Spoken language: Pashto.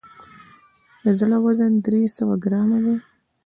د زړه وزن درې سوه ګرامه دی.